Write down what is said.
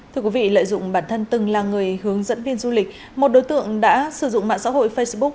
thưa quý vị lợi dụng bản thân từng là người hướng dẫn viên du lịch một đối tượng đã sử dụng mạng xã hội facebook